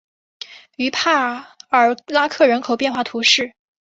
于帕尔拉克人口变化图示